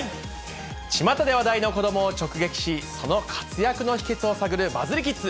ちまたで話題の子どもを直撃し、その活躍の秘けつを探るバズりキッズ。